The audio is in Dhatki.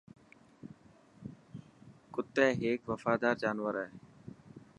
ڪتي هڪ وفادار جانور آهي.